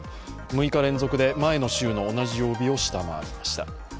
６日連続で前の週の同じ曜日を下回りました。